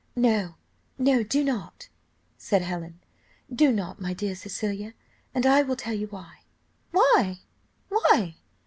"No, no, do not," said Helen; "do not, my dear Cecilia, and I will tell you why." "Why why?"